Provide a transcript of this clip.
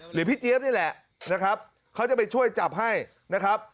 พี่เจี๊ยบนี่แหละนะครับเขาจะไปช่วยจับให้นะครับ